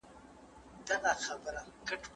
هغه په خپل نوي کتاب کار کاوه.